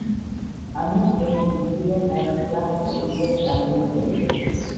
ანუ, ეს იგივეა, რაც რვა ათეული და სამი ერთეული.